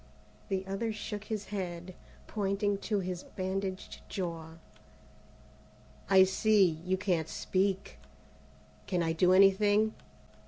The other shook his head, pointing to his bandaged jaw. "I see, you can't speak. Can I do anything?"